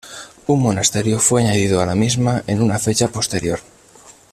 Un monasterio fue añadido a la misma en una fecha posterior.